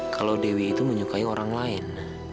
kalau dewi itu menyukai orang lain